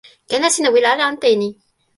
ken la sina wile ala ante e ni.